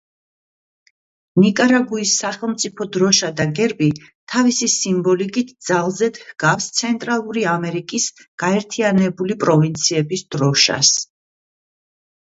ნიკარაგუის სახელმწიფო დროშა და გერბი თავისი სიმბოლიკით ძალზედ ჰგავს ცენტრალური ამერიკის გაერთიანებული პროვინციების დროშას.